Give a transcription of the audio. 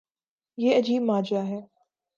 یہ عجیب ماجرا ہے۔